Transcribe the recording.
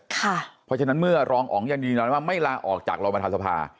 เพราะฉะนั้นเมื่อรองออกอย่างดีดีนอนไม่ลาออกจากรองประธานสภา